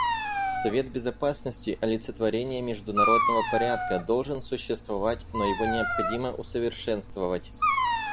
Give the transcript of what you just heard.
Совет Безопасности, олицетворение международного порядка, должен существовать, но его необходимо усовершенствовать.